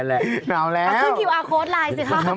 นั่นแหละนั่นเอาแล้วเอาคลิปอาร์โค้ดไลน์สิครับ